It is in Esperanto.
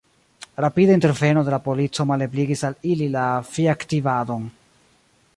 Rapida interveno de la polico malebligis al ili la fiaktivadon.